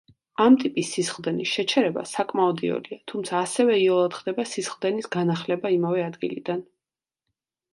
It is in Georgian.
ამ ტიპის სისხლდენის შეჩერება საკმაოდ იოლია, თუმცა ასევე იოლად ხდება სისხლდენის განახლება იმავე ადგილიდან.